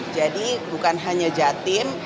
jadi bukan hanya jatil